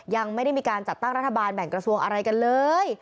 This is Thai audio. ยังไม่ได้มีการจัดตั้งรัฐบาลแบ่งกระทรวงอะไรกันเลย